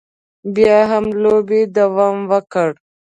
بیا هم لوبې دوام وکړ.